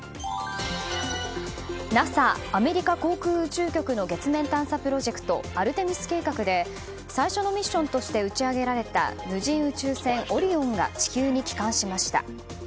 ＮＡＳＡ・アメリカ航空宇宙局の月面探査プロジェクトアルテミス計画で最初のミッションとして打ち上げられた無人宇宙船「オリオン」が地球に帰還しました。